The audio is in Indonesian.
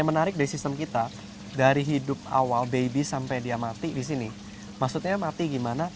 menarik dari sistem kita dari hidup awal baby sampai dia mati di sini maksudnya mati gimana